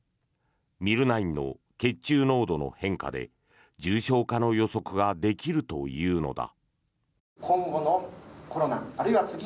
Ｍｙｌ９の血中濃度の変化で重症化の予測ができるというのだ。